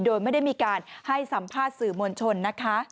โดยไม่ได้มีการให้สัมภาษณ์สื่อมวลชนนะคะ